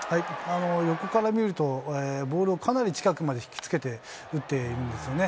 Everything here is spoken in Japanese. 横から見ると、ボールをかなり近くまで引きつけて打っているんですよね。